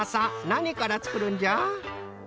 なにからつくるんじゃ？